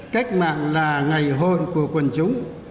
cách mạng là ngày hội của quần chúng